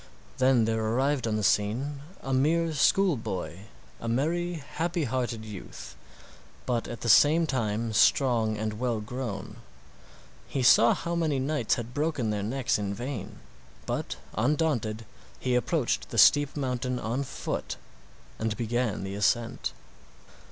Then there arrived on the scene a mere school boy—a merry, happy hearted youth, but at the same time strong and well grown. He saw how many knights had broken their necks in vain, but undaunted he approached the steep mountain on foot and began the ascent.